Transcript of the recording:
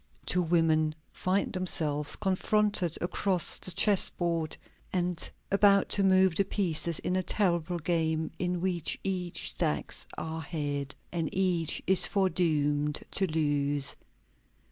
Two women find themselves confronted across the chessboard and about to move the pieces in a terrible game in which each stakes her head, and each is foredoomed to lose.